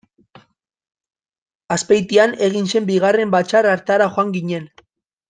Azpeitian egin zen bigarren batzar hartara joan ginen.